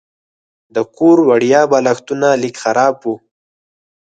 د کور وړیا بالښتونه لږ خراب وو.